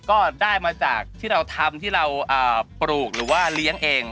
ก็ได้มาจากที่เราทำที่เราปลูกหรือว่าเลี้ยงเอง